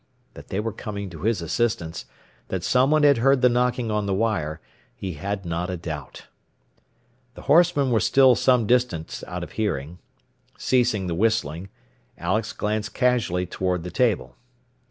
That they were coming to his assistance that someone had heard the knocking on the wire he had not a doubt. The horsemen were still some distance out of hearing. Ceasing the whistling, Alex glanced casually toward the table.